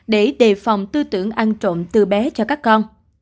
để đề phòng tư tưởng ăn trộm từ bé cho các con